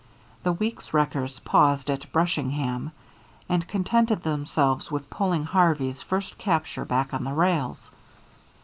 The Weeks wreckers paused at Brushingham, and contented themselves with pulling Harvey's first capture back on the rails.